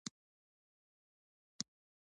ای پام کوه امريکايي رذيلان وختي ورپسې دي.